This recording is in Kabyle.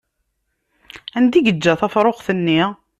Anda i yeǧǧa tafṛuxt-nni?